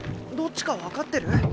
どっちか分かってる？